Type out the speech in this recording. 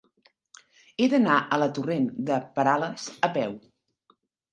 He d'anar a la torrent de Perales a peu.